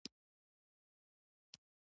پاچاخان د عدم تشدد ستر لاروی ؤ.